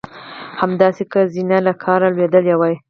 همداسې که زینه له کاره لوېدلې وای.